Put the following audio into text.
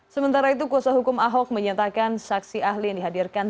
sementara itu kuasa hukum ahok menyatakan saksi ahli yang dihadirkan